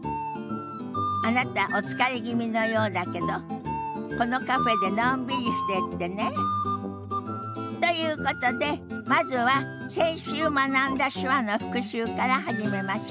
あなたお疲れ気味のようだけどこのカフェでのんびりしてってね。ということでまずは先週学んだ手話の復習から始めましょ。